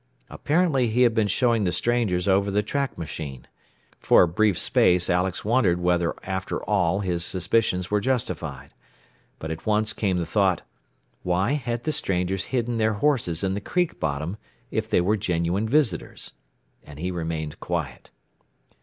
Apparently he had been showing the strangers over the track machine. For a brief space Alex wondered whether after all his suspicions were justified. But at once came the thought, "Why had the strangers hidden their horses in the creek bottom if they were genuine visitors?" and he remained quiet.